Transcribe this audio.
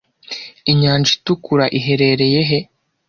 Inyanja itukura iherereye he